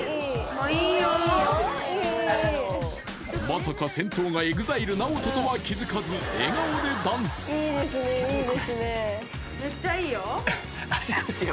まさか先頭がＥＸＩＬＥＮＡＯＴＯとは気づかず笑顔でダンスめっちゃいいよ